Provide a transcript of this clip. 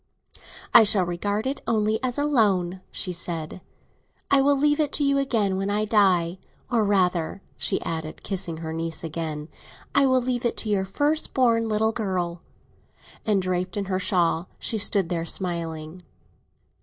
"I shall regard it only as a loan," she said. "I will leave it to you again when I die; or rather," she added, kissing her niece again, "I will leave it to your first born little girl!" And draped in her shawl, she stood there smiling.